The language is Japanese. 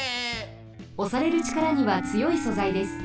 おされるちからにはつよい素材です。